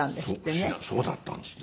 そうだったんですって。